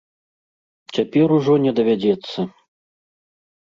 Цяпер ужо не давядзецца.